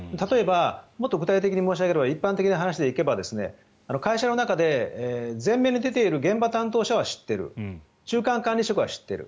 もっと具体的に申し上げれば一般的な話で言えば会社の中で前面に出ている現場担当者は知っている中間管理職は知っている。